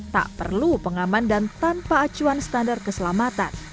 tak perlu pengaman dan tanpa acuan standar keselamatan